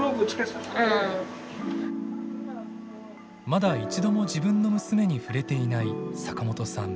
まだ一度も自分の娘に触れていない坂本さん。